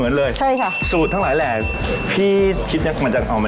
อันนี้เป็นว่าถ้าใครอยากนึกว่ากินส้มปัำ